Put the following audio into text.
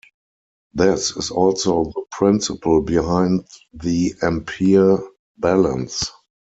This is also the principle behind the ampere balance.